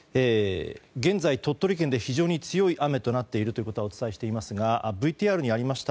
現在、鳥取県で非常に強い雨になっているとお伝えしていますがＶＴＲにありました